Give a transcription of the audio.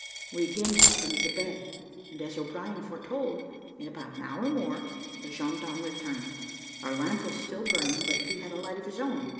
We again crept under the bed; and as O'Brien foretold, in about an hour more the gendarme returned; our lamp was still burning, but he had a light of his own.